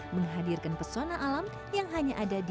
menghadirkan pesona alam yang hanya ada di seluruh desa